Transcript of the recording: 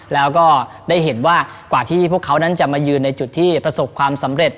แล้วก็ได้เห็นว่ากว่าที่พวกเขานั้นจะมายืนในจุดที่ประสบความสำเร็จ